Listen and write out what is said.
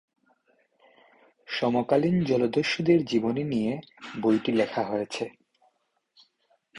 সমকালীন জলদস্যুদের জীবনী নিয়ে বইটি লেখা হয়েছে।